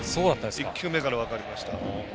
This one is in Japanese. １球目から分かりました。